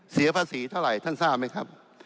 เสียภาษีเท่าไหร่ท่านทราบไหมครับ